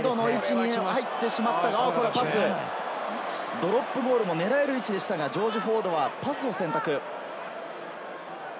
ドロップゴールも狙える位置でしたが、ジョージ・フォードはパスを選択。